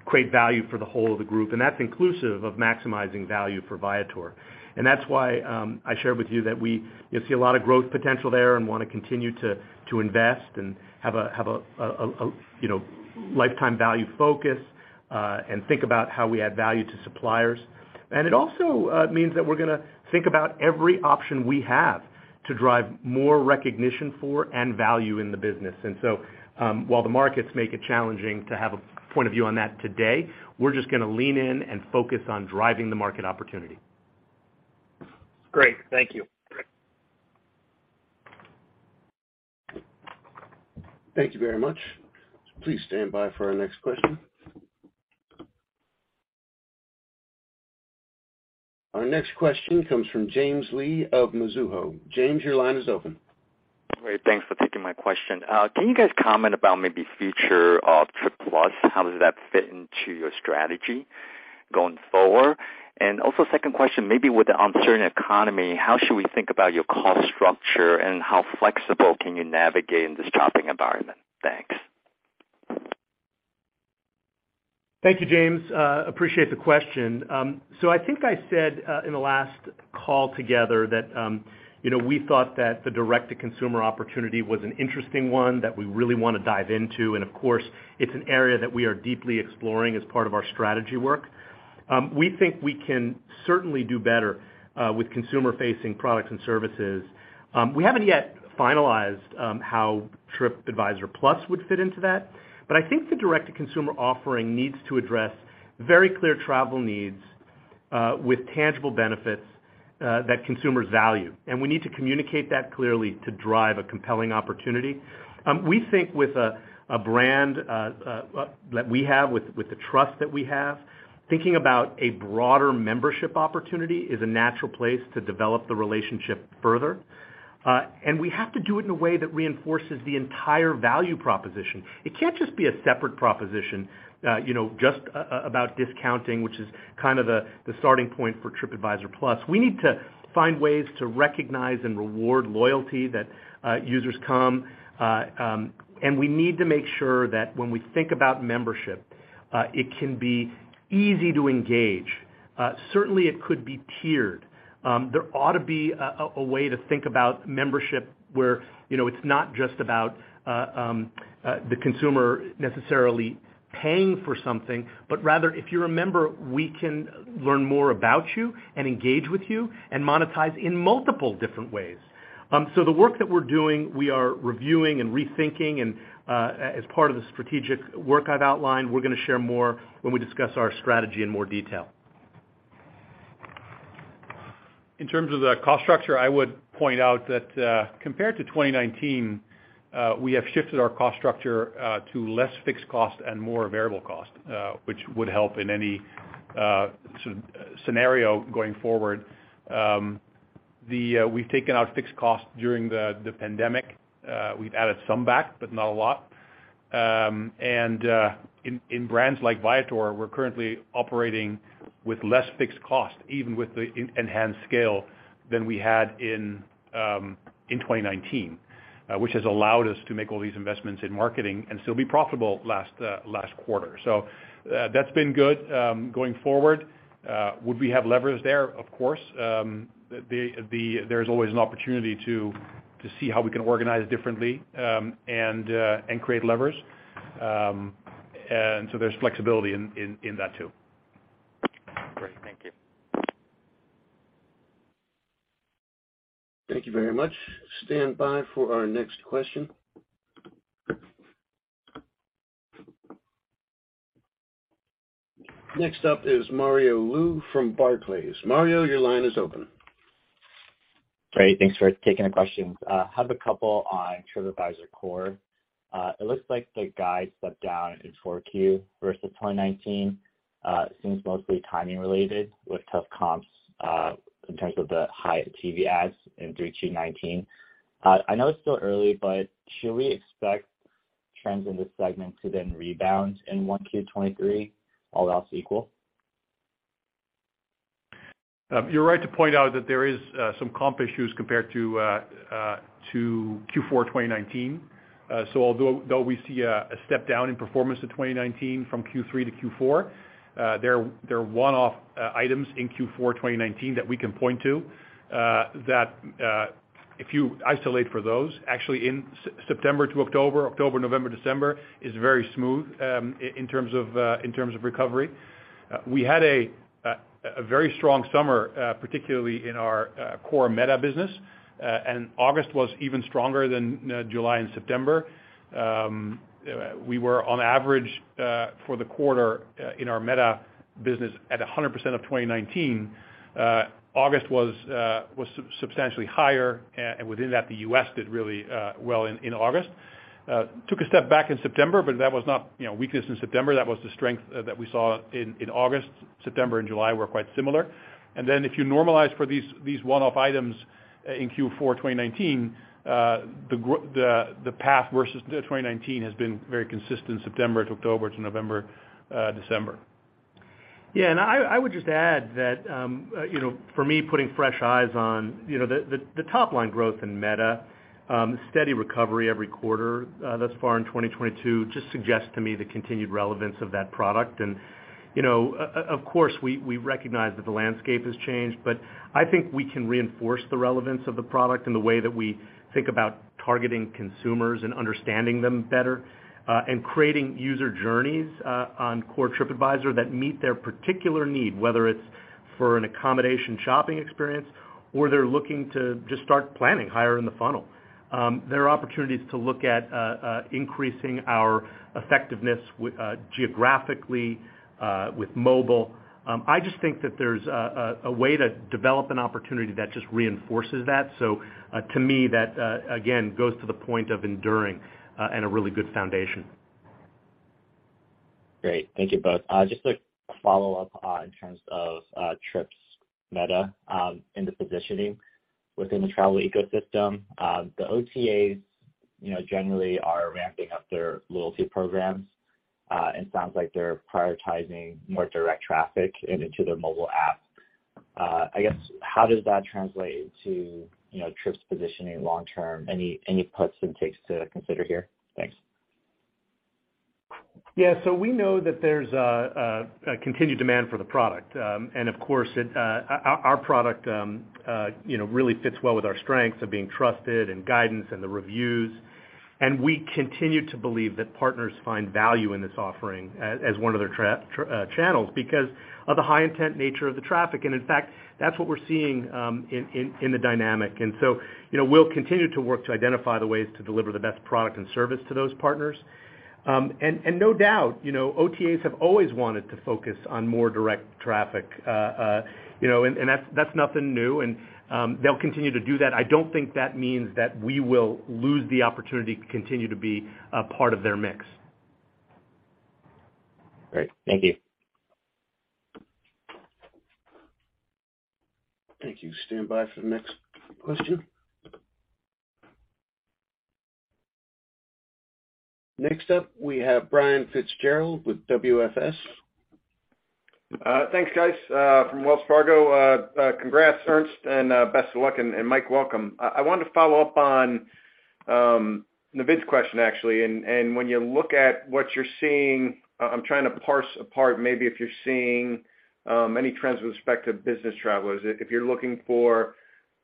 create value for the whole of the group, and that's inclusive of maximizing value for Viator. That's why I shared with you that we see a lot of growth potential there and want to continue to invest and have a lifetime value focus and think about how we add value to suppliers. It also means that we're going to think about every option we have to drive more recognition for and value in the business. While the markets make it challenging to have a point of view on that today, we're just going to lean in and focus on driving the market opportunity. Great. Thank you. Thank you very much. Please stand by for our next question. Our next question comes from James Lee of Mizuho. James, your line is open. Great. Thanks for taking my question. Can you guys comment about maybe future of Trip+? How does that fit into your strategy going forward? Second question, maybe with the uncertain economy, how should we think about your cost structure, and how flexible can you navigate in this choppy environment? Thanks. Thank you, James. Appreciate the question. I think I said in the last call together that we thought that the direct-to-consumer opportunity was an interesting one that we really want to dive into. It's an area that we are deeply exploring as part of our strategy work. We think we can certainly do better with consumer-facing products and services. We haven't yet finalized how Tripadvisor Plus would fit into that, but I think the direct-to-consumer offering needs to address very clear travel needs with tangible benefits that consumers value, and we need to communicate that clearly to drive a compelling opportunity. We think with a brand that we have, with the trust that we have, thinking about a broader membership opportunity is a natural place to develop the relationship further. We have to do it in a way that reinforces the entire value proposition. It can't just be a separate proposition, just about discounting, which is the starting point for Tripadvisor Plus. We need to find ways to recognize and reward loyalty that users come. We need to make sure that when we think about membership, it can be easy to engage. Certainly, it could be tiered. There ought to be a way to think about membership where it's not just about the consumer necessarily paying for something, but rather, if you're a member, we can learn more about you and engage with you and monetize in multiple different ways. The work that we're doing, we are reviewing and rethinking. As part of the strategic work I've outlined, we're going to share more when we discuss our strategy in more detail. In terms of the cost structure, I would point out that, compared to 2019, we have shifted our cost structure to less fixed cost and more variable cost, which would help in any scenario going forward. We've taken out fixed costs during the pandemic. We've added some back, but not a lot. In brands like Viator, we're currently operating with less fixed cost, even with the enhanced scale, than we had in 2019, which has allowed us to make all these investments in marketing and still be profitable last quarter. That's been good. Going forward, would we have levers there? Of course. There's always an opportunity to see how we can organize differently and create levers. There's flexibility in that, too. Great. Thank you. Thank you very much. Stand by for our next question. Next up is Mario Lu from Barclays. Mario, your line is open. Great. Thanks for taking the questions. I have a couple on TripAdvisor Core. It looks like the guide stepped down in Q4 versus 2019. It seems mostly timing related with tough comps in terms of the high TV ads in 3Q 2019. I know it's still early, but should we expect trends in this segment to rebound in 1Q 2023, all else equal? You're right to point out that there is some comp issues compared to Q4 2019. Although we see a step down in performance to 2019 from Q3 to Q4, there are one-off items in Q4 2019 that we can point to that, if you isolate for those, actually in September to October, November, December, is very smooth in terms of recovery. We had a very strong summer, particularly in our core Meta business. August was even stronger than July and September. We were on average, for the quarter in our Meta business, at 100% of 2019. August was substantially higher. Within that, the U.S. did really well in August. Took a step back in September. That was not weakness in September. That was the strength that we saw in August. September and July were quite similar. If you normalize for these one-off items in Q4 2019, the path versus 2019 has been very consistent September to October to November, December. I would just add that, for me, putting fresh eyes on the top line growth in Meta, steady recovery every quarter thus far in 2022 just suggests to me the continued relevance of that product. Of course, we recognize that the landscape has changed. I think we can reinforce the relevance of the product and the way that we think about targeting consumers and understanding them better, and creating user journeys on core TripAdvisor that meet their particular need, whether it's for an accommodation shopping experience or they're looking to just start planning higher in the funnel. There are opportunities to look at increasing our effectiveness geographically with mobile. I just think that there's a way to develop an opportunity that just reinforces that. To me, that again goes to the point of enduring and a really good foundation. Great. Thank you both. Just a follow-up in terms of TripAdvisor metasearch and the positioning within the travel ecosystem. The OTAs, generally are ramping up their loyalty programs. Sounds like they're prioritizing more direct traffic into their mobile app. I guess, how does that translate into Trips positioning long term? Any puts and takes to consider here? Thanks. Yeah. We know that there's a continued demand for the product. Of course, our product really fits well with our strengths of being trusted and guidance and the reviews. We continue to believe that partners find value in this offering as one of their channels because of the high intent nature of the traffic. In fact, that's what we're seeing in the dynamic. We'll continue to work to identify the ways to deliver the best product and service to those partners. No doubt, OTAs have always wanted to focus on more direct traffic, and that's nothing new, and they'll continue to do that. I don't think that means that we will lose the opportunity to continue to be a part of their mix. Great. Thank you. Thank you. Stand by for the next question. Next up, we have Brian Fitzgerald with WFS. Thanks, guys. From Wells Fargo. Congrats, Ernst, and best of luck, and Mike, welcome. I wanted to follow up on Naved's question, actually. When you look at what you're seeing, I'm trying to parse apart maybe if you're seeing any trends with respect to business travelers. If you're looking for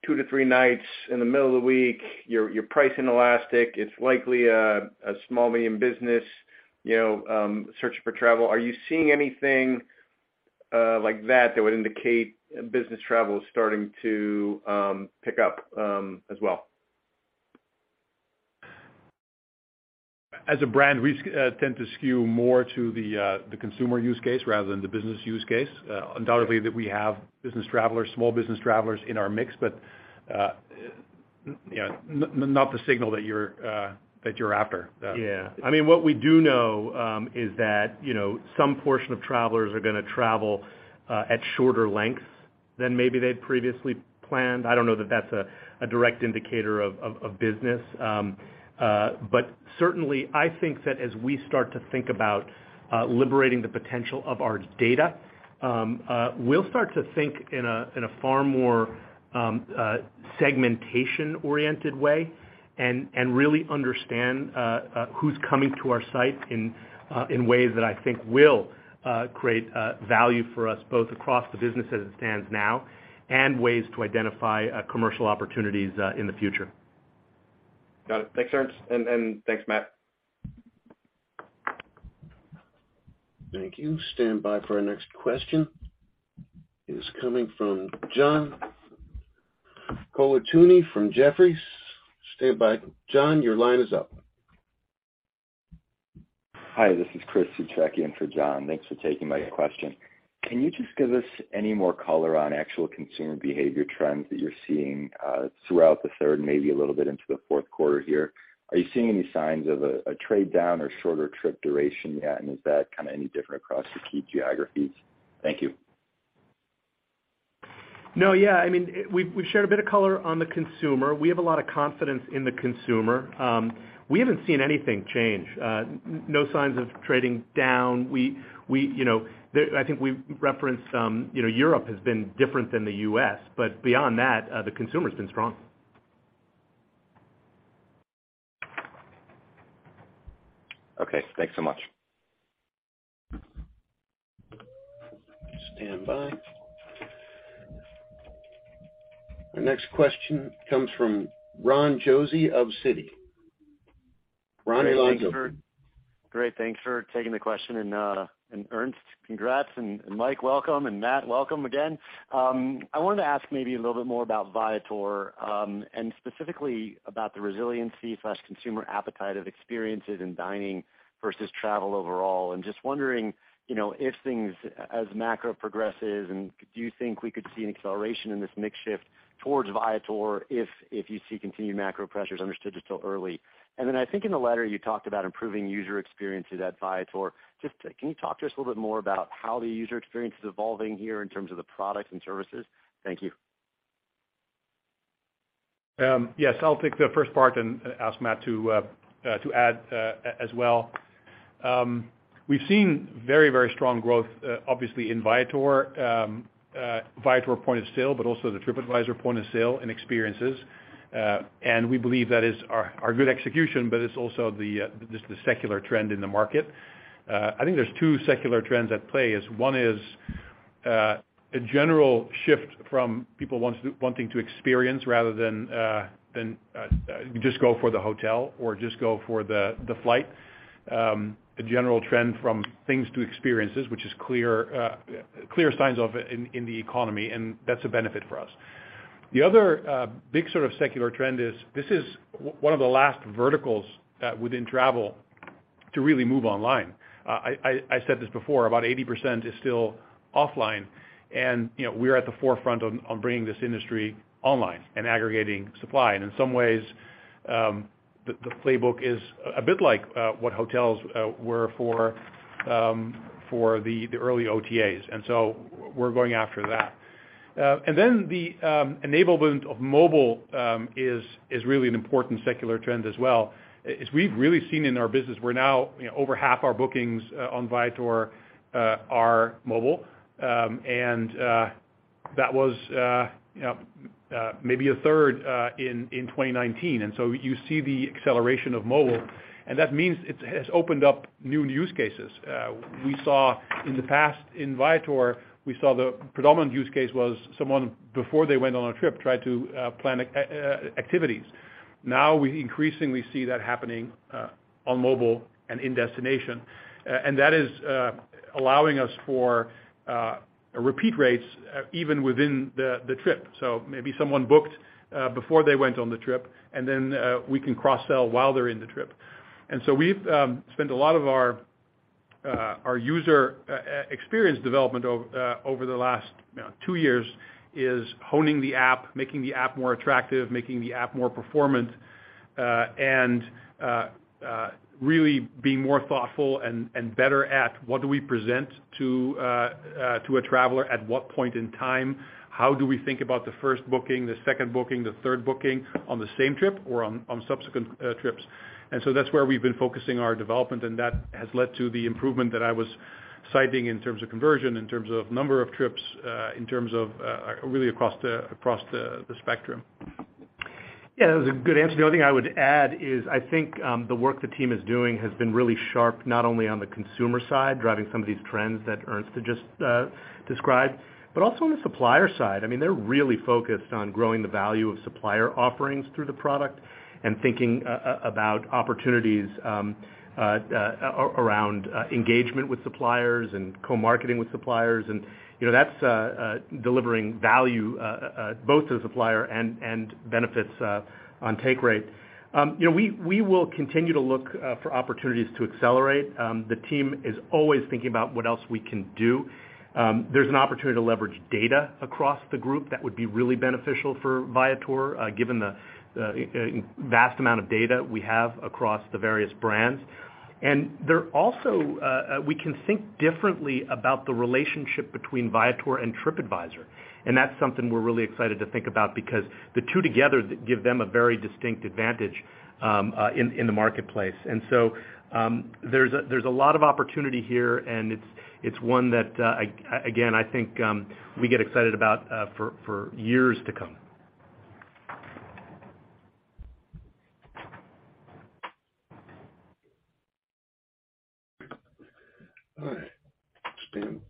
two to three nights in the middle of the week, you're pricing elastic, it's likely a small, medium business searching for travel. Are you seeing anything like that would indicate business travel is starting to pick up as well? As a brand, we tend to skew more to the consumer use case rather than the business use case. Undoubtedly that we have business travelers, small business travelers in our mix, but not the signal that you're after. Yeah. What we do know is that some portion of travelers are going to travel at shorter lengths than maybe they'd previously planned. I don't know that that's a direct indicator of business. Certainly, I think that as we start to think about liberating the potential of our data, we'll start to think in a far more segmentation-oriented way and really understand who's coming to our site in ways that I think will create value for us, both across the business as it stands now, and ways to identify commercial opportunities in the future. Got it. Thanks, Ernst, and thanks, Matt. Thank you. Stand by for our next question is coming from John Colantuoni from Jefferies. Stand by. John, your line is up. Hi, this is Christopher Suchecki in for John. Thanks for taking my question. Can you just give us any more color on actual consumer behavior trends that you're seeing throughout the third, maybe a little bit into the fourth quarter here? Are you seeing any signs of a trade down or shorter trip duration yet? Is that any different across the key geographies? Thank you. No, yeah. We've shared a bit of color on the consumer. We have a lot of confidence in the consumer. We haven't seen anything change. No signs of trading down. I think we've referenced Europe has been different than the U.S., beyond that, the consumer's been strong. Okay. Thanks so much. Standby. Our next question comes from Ronald Josey of Citi. Ron, your line's open. Great. Thanks for taking the question. Ernst, congrats, and Mike, welcome, and Matt, welcome again. I wanted to ask maybe a little bit more about Viator, and specifically about the resiliency/consumer appetite of experiences in dining versus travel overall. Just wondering if things as macro progresses, and do you think we could see an acceleration in this mix shift towards Viator if you see continued macro pressures? Understood it's still early. Then I think in the letter you talked about improving user experiences at Viator. Just can you talk to us a little bit more about how the user experience is evolving here in terms of the products and services? Thank you. Yes. I'll take the first part and ask Matt to add as well. We've seen very, very strong growth, obviously in Viator point of sale, but also the TripAdvisor point of sale and experiences. We believe that is our good execution, but it's also just the secular trend in the market. I think there's two secular trends at play, is one is a general shift from people wanting to experience rather than just go for the hotel or just go for the flight. A general trend from things to experiences, which is clear signs of in the economy, and that's a benefit for us. The other big sort of secular trend is this is one of the last verticals within travel to really move online. I said this before, about 80% is still offline. We're at the forefront on bringing this industry online and aggregating supply. In some ways, the playbook is a bit like what hotels were for the early OTAs. So we're going after that. Then the enablement of mobile is really an important secular trend as well, is we've really seen in our business we're now over half our bookings on Viator are mobile. That was maybe a third in 2019. You see the acceleration of mobile, and that means it has opened up new use cases. We saw in the past, in Viator, we saw the predominant use case was someone, before they went on a trip, tried to plan activities. Now we increasingly see that happening on mobile and in destination, and that is allowing us for repeat rates even within the trip. Maybe someone booked before they went on the trip. Then we can cross-sell while they're in the trip. We've spent a lot of our user experience development over the last two years is honing the app, making the app more attractive, making the app more performant, and really being more thoughtful and better at what do we present to a traveler, at what point in time, how do we think about the first booking, the second booking, the third booking on the same trip or on subsequent trips. That's where we've been focusing our development, and that has led to the improvement that I was citing in terms of conversion, in terms of number of trips, in terms of really across the spectrum. Yeah, that was a good answer. The only thing I would add is I think the work the team is doing has been really sharp, not only on the consumer side, driving some of these trends that Ernst just described, but also on the supplier side. They're really focused on growing the value of supplier offerings through the product and thinking about opportunities around engagement with suppliers and co-marketing with suppliers. That's delivering value both to the supplier and benefits on take rate. We will continue to look for opportunities to accelerate. The team is always thinking about what else we can do. There's an opportunity to leverage data across the Group that would be really beneficial for Viator, given the vast amount of data we have across the various brands. There also, we can think differently about the relationship between Viator and TripAdvisor, that's something we're really excited to think about because the two together give them a very distinct advantage in the marketplace. There's a lot of opportunity here, and it's one that, again, I think we get excited about for years to come. All right.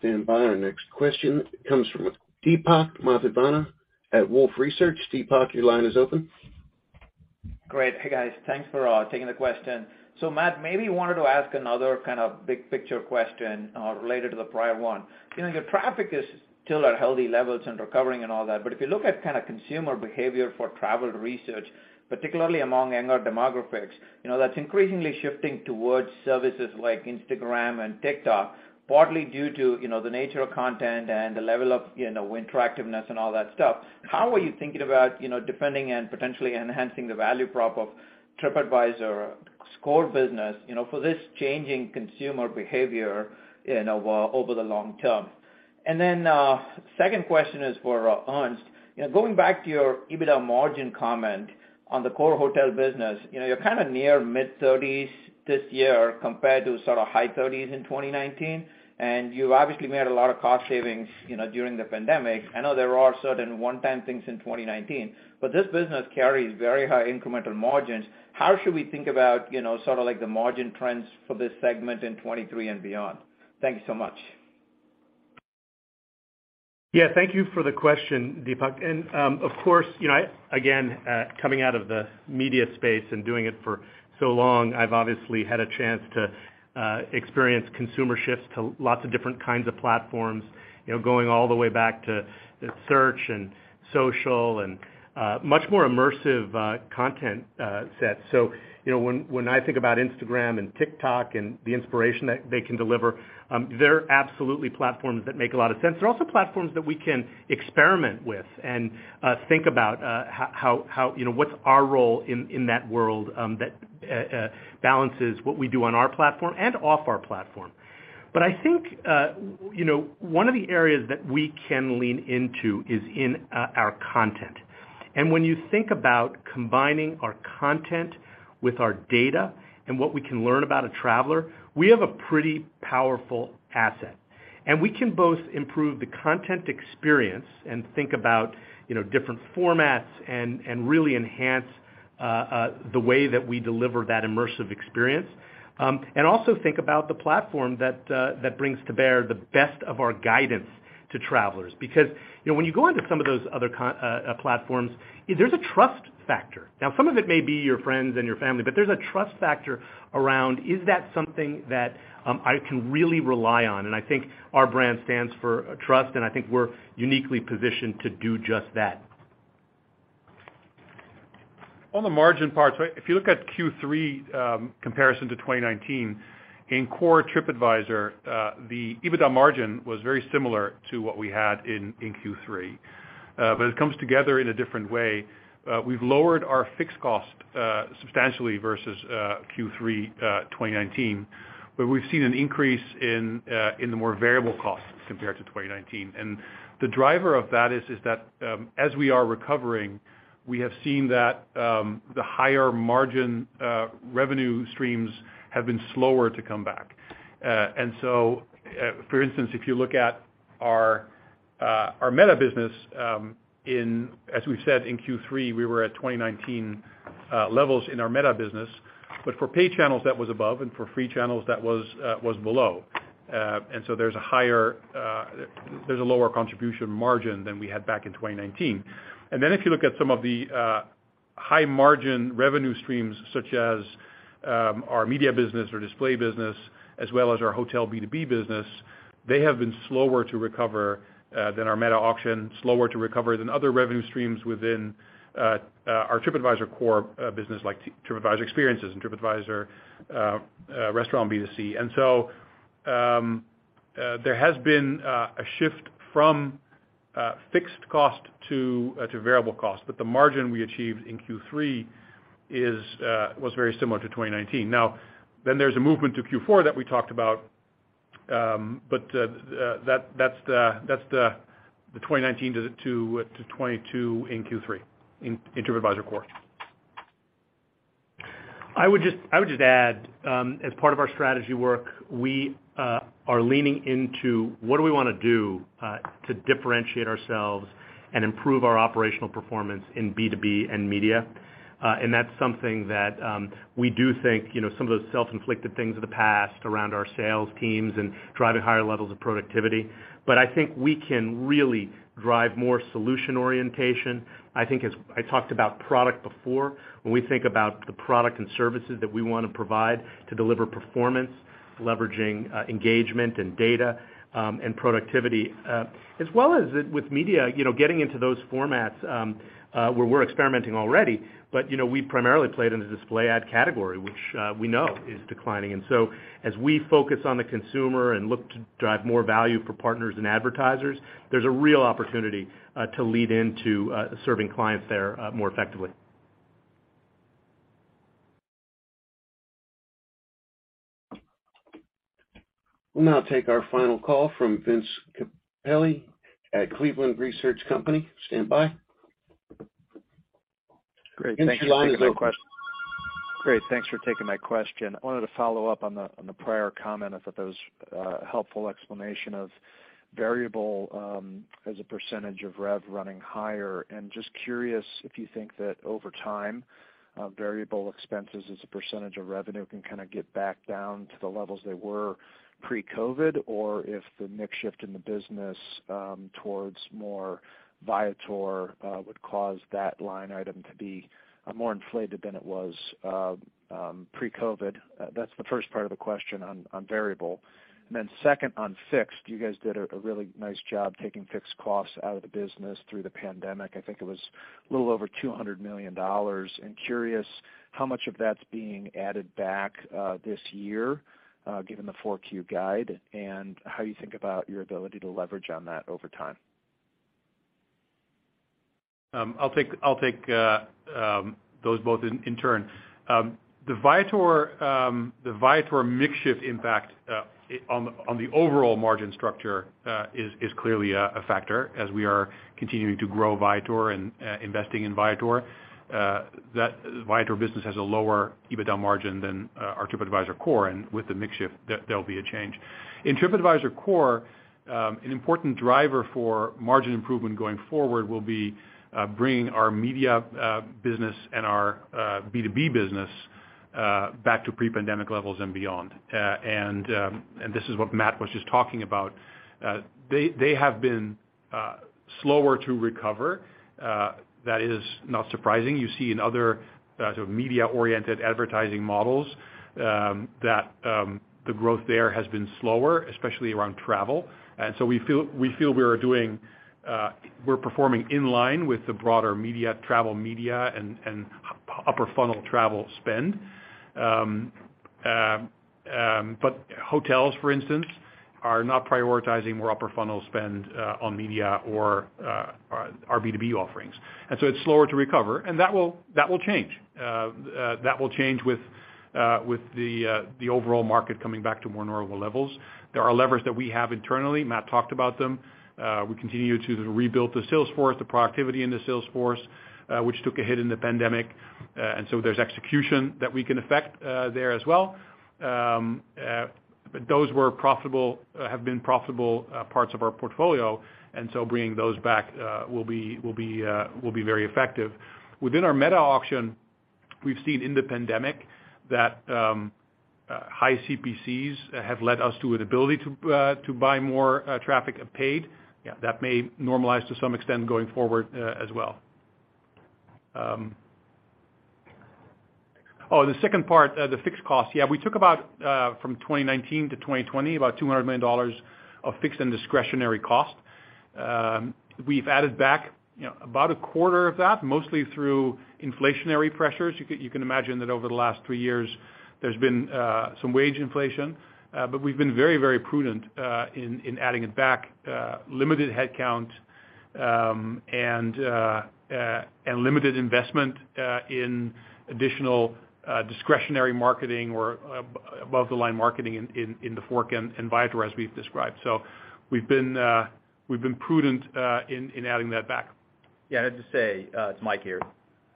Standby. Our next question comes from Deepak Mathivanan at Wolfe Research. Deepak, your line is open. Great. Hey, guys. Thanks for taking the question. Matt, maybe wanted to ask another big picture question related to the prior one. Your traffic is still at healthy levels and recovering and all that, but if you look at consumer behavior for travel research, particularly among younger demographics, that's increasingly shifting towards services like Instagram and TikTok, partly due to the nature of content and the level of interactiveness and all that stuff. How are you thinking about defending and potentially enhancing the value prop of TripAdvisor's core business for this changing consumer behavior over the long term? Second question is for Ernst. Going back to your EBITDA margin comment on the core hotel business, you're near mid-30s this year compared to high 30s in 2019, and you obviously made a lot of cost savings during the pandemic. I know there are certain one-time things in 2019, but this business carries very high incremental margins. How should we think about the margin trends for this segment in 2023 and beyond? Thank you so much. Yeah. Thank you for the question, Deepak. Of course, again, coming out of the media space and doing it for so long, I've obviously had a chance to experience consumer shifts to lots of different kinds of platforms, going all the way back to search and social and much more immersive content sets. When I think about Instagram and TikTok and the inspiration that they can deliver, they're absolutely platforms that make a lot of sense. They're also platforms that we can experiment with and think about what's our role in that world that balances what we do on our platform and off our platform. I think one of the areas that we can lean into is in our content. When you think about combining our content with our data and what we can learn about a traveler, we have a pretty powerful asset, and we can both improve the content experience and think about different formats and really enhance the way that we deliver that immersive experience. Also think about the platform that brings to bear the best of our guidance to travelers. When you go onto some of those other platforms, there's a trust factor. Some of it may be your friends and your family, but there's a trust factor around is that something that I can really rely on, and I think our brand stands for trust, and I think we're uniquely positioned to do just that. On the margin part, if you look at Q3 comparison to 2019, in TripAdvisor Core, the EBITDA margin was very similar to what we had in Q3. It comes together in a different way. We've lowered our fixed costs substantially versus Q3 2019, we've seen an increase in the more variable costs compared to 2019. The driver of that is that as we are recovering, we have seen that the higher margin revenue streams have been slower to come back. For instance, if you look at our metasearch business, as we said in Q3, we were at 2019 levels in our metasearch business, but for paid channels that was above, for free channels that was below. There's a lower contribution margin than we had back in 2019. If you look at some of the high margin revenue streams such as our media business or display business, as well as our hotel B2B business, they have been slower to recover than our metasearch auction, slower to recover than other revenue streams within our TripAdvisor Core business, like TripAdvisor Experiences and TripAdvisor Restaurant B2C. There has been a shift from fixed costs to variable costs, the margin we achieved in Q3 was very similar to 2019. There's a movement to Q4 that we talked about, that's the 2019 to 2022 in Q3 in TripAdvisor Core. I would just add, as part of our strategy work, we are leaning into what do we want to do to differentiate ourselves and improve our operational performance in B2B and media. That's something that we do think, some of those self-inflicted things of the past around our sales teams and driving higher levels of productivity. I think we can really drive more solution orientation. I think as I talked about product before, when we think about the product and services that we want to provide to deliver performance, leveraging engagement and data, and productivity, as well as with media, getting into those formats, where we're experimenting already. We primarily played in the display ad category, which we know is declining. As we focus on the consumer and look to drive more value for partners and advertisers, there's a real opportunity to lean into serving clients there more effectively. We'll now take our final call from Vince Capelli at Cleveland Research Company. Stand by. Great. Thank you. Vince, your line is open. Great. Thanks for taking my question. I wanted to follow up on the prior comment. I thought that was a helpful explanation of variable as a percentage of rev running higher. Just curious if you think that over time, variable expenses as a percentage of revenue can get back down to the levels they were pre-COVID, or if the mix shift in the business towards more Viator would cause that line item to be more inflated than it was pre-COVID. That's the first part of the question on variable. Then second on fixed, you guys did a really nice job taking fixed costs out of the business through the pandemic. I think it was a little over $200 million. Curious how much of that's being added back this year, given the 4Q guide, and how you think about your ability to leverage on that over time. I'll take those both in turn. The Viator mix shift impact on the overall margin structure is clearly a factor as we are continuing to grow Viator and investing in Viator. That Viator business has a lower EBITDA margin than our TripAdvisor Core, and with the mix shift, there'll be a change. In TripAdvisor Core, an important driver for margin improvement going forward will be bringing our media business and our B2B business back to pre-pandemic levels and beyond. This is what Matt was just talking about. They have been slower to recover. That is not surprising. You see in other media-oriented advertising models that the growth there has been slower, especially around travel. We feel we're performing in line with the broader media, travel media, and upper funnel travel spend. Hotels, for instance, are not prioritizing more upper funnel spend on media or our B2B offerings. It's slower to recover, and that will change. That will change with the overall market coming back to more normal levels. There are levers that we have internally, Matt talked about them. We continue to rebuild the sales force, the productivity in the sales force, which took a hit in the pandemic. There's execution that we can affect there as well. Those have been profitable parts of our portfolio, bringing those back will be very effective. Within our metasearch auction, we've seen in the pandemic that high CPCs have led us to an ability to buy more traffic paid. That may normalize to some extent going forward as well. Oh, the second part, the fixed cost. We took about, from 2019 to 2020, about $200 million of fixed and discretionary cost. We've added back about a quarter of that, mostly through inflationary pressures. You can imagine that over the last three years, there's been some wage inflation, we've been very, very prudent in adding it back, limited headcount, and limited investment in additional discretionary marketing or above the line marketing in TheFork and Viator, as we've described. We've been prudent in adding that back. I'd just say, it's Mike here.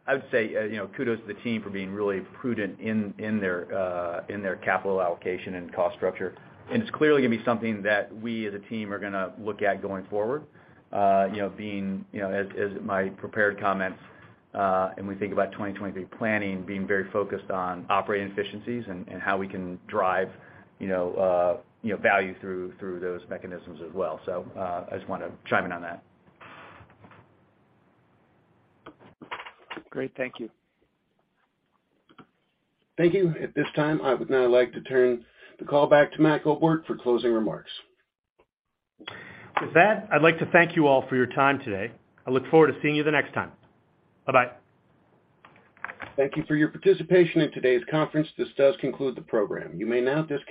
I would say, kudos to the team for being really prudent in their capital allocation and cost structure. It's clearly going to be something that we as a team are going to look at going forward. As my prepared comments, we think about 2023 planning, being very focused on operating efficiencies and how we can drive value through those mechanisms as well. I just want to chime in on that. Great. Thank you. Thank you. At this time, I would now like to turn the call back to Matt Goldberg for closing remarks. With that, I'd like to thank you all for your time today. I look forward to seeing you the next time. Bye-bye. Thank you for your participation in today's conference. This does conclude the program. You may now disconnect.